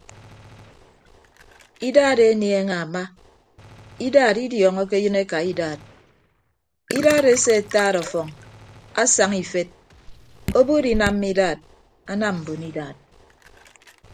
Idaat enieñe ama idaat idiọọñọke eyịn eka idaat idaat esee ataat ọfọñ asaña ifet obuut inamma idaat anam mbon idaat.